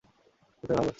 তুই ফেরায় ভালো লাগছে।